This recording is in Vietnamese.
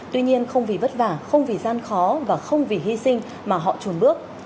tuy nhiên không vì vất vả không vì gian khó và không vì hy sinh mà họ chuồn bước